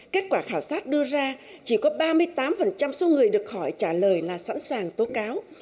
kết quả khảo sát đưa ra chỉ có ba mươi tám số người được hỏi trả lời là sẵn sàng tố cáo